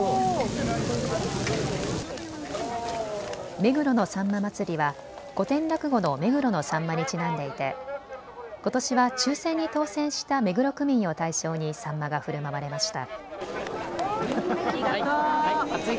目黒のさんま祭は古典落語の目黒のさんまにちなんでいてことしは抽せんに当せんした目黒区民を対象にサンマがふるまわれました。